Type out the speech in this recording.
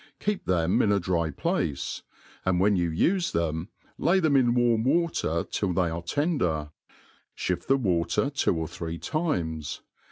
Keep them in a dry place; and When you ufe them, lay them in warm water till they are ten« der. Shift the water two or three times.